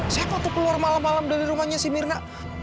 siapa tuh keluar malam malam dari rumahnya si mirna